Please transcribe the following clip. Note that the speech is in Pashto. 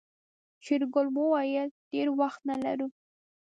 شېرګل وويل ډېر وخت نه لرو.